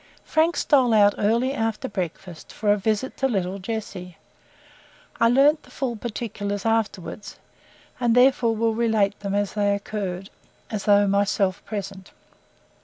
Frank stole out early after breakfast, for a visit to little Jessie. I learnt the full particulars afterwards, and therefore will relate them as they occurred, as though myself present.